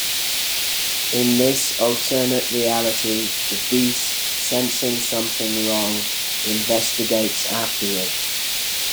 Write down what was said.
In this alternate reality, the Beast, sensing something wrong, investigates afterward.